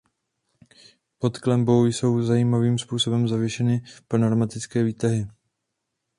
Pod klenbou jsou zajímavým způsobem zavěšeny panoramatické výtahy.